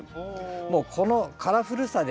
もうこのカラフルさでですね